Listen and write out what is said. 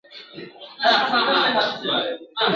چا پر غلیم یرغل وکړ؟